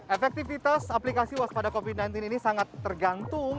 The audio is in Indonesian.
efektivitas aplikasi waspada covid sembilan belas ini sangat tergantung